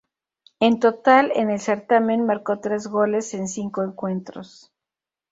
En total en el certamen marcó tres goles en cinco encuentros.